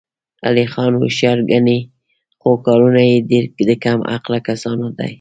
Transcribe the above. علي ځان هوښیار ګڼي، خو کارونه یې ډېر د کم عقله کسانو دي.